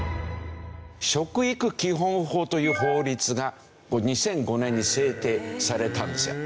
食育基本法という法律が２００５年に制定されたんですよ。